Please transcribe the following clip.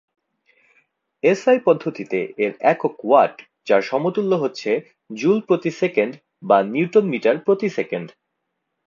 SI পদ্ধতিতে এর একক ওয়াট যার সমতুল্য হচ্ছে জুল প্রতি সেকেন্ড বা নিউটন মিটার প্রতি সেকেন্ড।